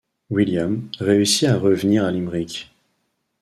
William, réussit à revenir à Limerick.